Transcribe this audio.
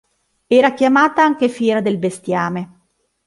Era chiamata anche "fiera del bestiame".